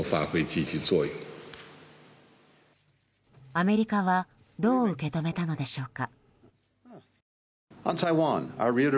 アメリカはどう受け止めたのでしょうか？